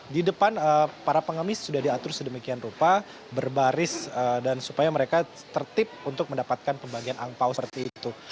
di depan para pengemis sudah diatur sedemikian rupa berbaris dan supaya mereka tertip untuk mendapatkan pembagian angpao seperti itu